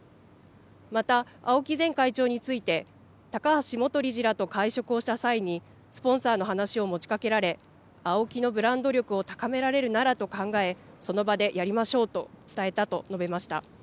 また青木前会長について高橋元理事らと会食をした際にスポンサーの話を持ちかけられＡＯＫＩのブランド力を高められるならと考えその場でやりましょうと伝えたと述べました。